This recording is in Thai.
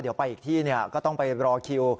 เดี๋ยวไปอีกที่ก็ต้องไปรอคิว